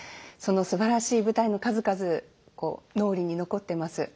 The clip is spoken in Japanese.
そのすばらしい舞台の数々脳裏に残っています。